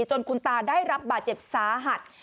จนคุณตาได้รับบาดเจ็บสาหัส